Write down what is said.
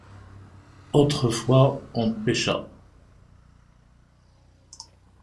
Autrefois on pêcha.